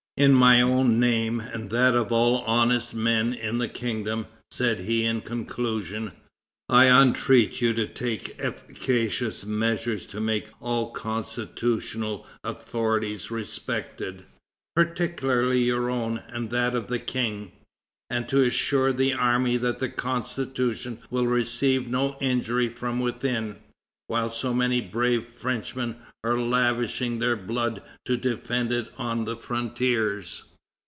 "In my own name and that of all honest men in the kingdom," said he in conclusion, "I entreat you to take efficacious measures to make all constitutional authorities respected, particularly your own and that of the King, and to assure the army that the Constitution will receive no injury from within, while so many brave Frenchmen are lavishing their blood to defend it on the frontiers."